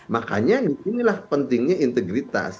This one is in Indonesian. makanya inilah pentingnya integritas